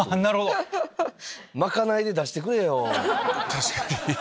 確かに。